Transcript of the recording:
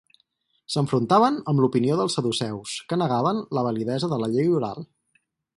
S'enfrontaven amb l'opinió dels saduceus que negaven la validesa de la llei oral.